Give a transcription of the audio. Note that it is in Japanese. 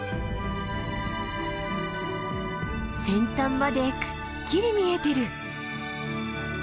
先端までくっきり見えてる！